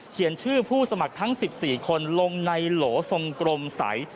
ชื่อผู้สมัครทั้ง๑๔คนลงในโหลทรงกรมใส